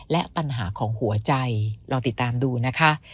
และปัญหาของหัวใจลองติดตามดูนะคะ